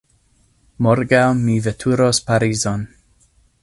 Morgaŭ mi veturos Parizon.